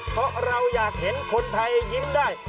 เพราะเราอยากเห็นคนไทยยิ้มได้